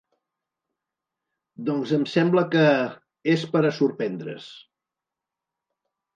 Doncs em sembla que… És per a sorprendre’s.